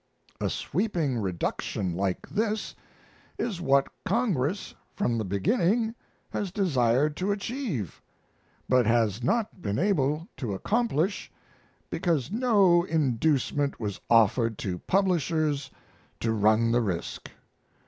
A sweeping reduction like this is what Congress from the beginning has desired to achieve, but has not been able to accomplish because no inducement was offered to publishers to run the risk.